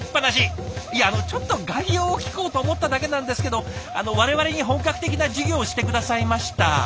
いやあのちょっと概要を聞こうと思っただけなんですけど我々に本格的な授業をして下さいました。